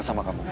aku mau kemana